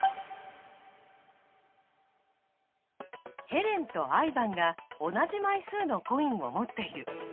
ヘレンとアイヴァンが同じ枚数のコインを持っている。